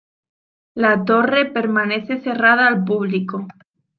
La torre permanece cerrada al público.